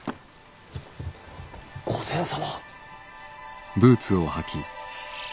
御前様！